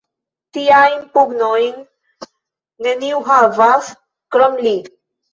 Tiajn pugnojn neniu havas, krom li!